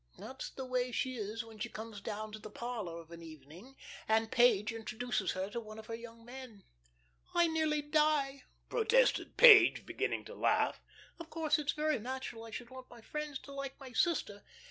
That's the way she is when she comes down to the parlor of an evening, and Page introduces her to one of her young men." "I nearly die," protested Page, beginning to laugh. "Of course it's very natural I should want my friends to like my sister.